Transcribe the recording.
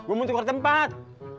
gue mau tukar tempat